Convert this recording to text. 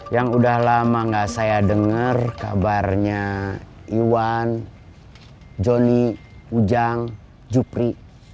yang udah lama gak saya dengar kabarnya iwan joni ujang jupri